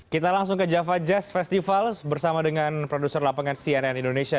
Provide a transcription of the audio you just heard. kita langsung ke java jazz festival bersama dengan produser lapangan cnn indonesia